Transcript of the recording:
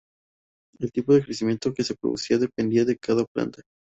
El tipo de crecimiento que se producía dependía de cada planta.